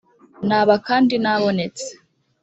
Naba kandi nabonetse